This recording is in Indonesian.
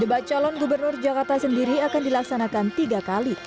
debat calon gubernur jakarta sendiri akan dilaksanakan tiga kali